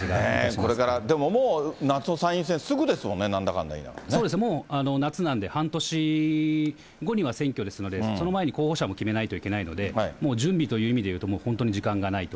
これから、でももう夏の参院選、すぐですもんね、そうですね、もう夏なんで半年後には選挙ですので、その前に候補者も決めないといけないので、もう準備という意味でいうと、本当に時間がないと。